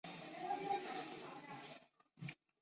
凯库拉岭位于新西兰南岛东北部的两座平行山脉。